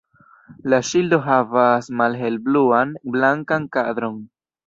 La ŝildo havas malhelbluan-blankan kadron.